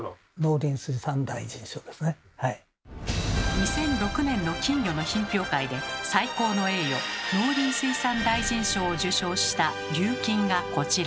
２００６年の金魚の品評会で最高の栄誉農林水産大臣賞を受賞した琉金がこちら。